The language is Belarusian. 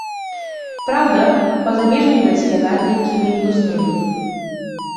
Праўда, па-за межамі нацыянальнай кінаіндустрыі.